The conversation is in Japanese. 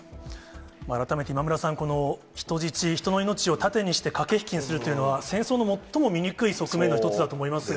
改めて今村さん、人質、人の命を盾にして駆け引きにするというのは、戦争の最も醜い側面の一つだと思いますが。